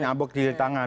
ngabuk nyilih tangan